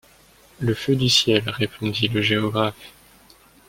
Le feu du ciel, répondit le géographe.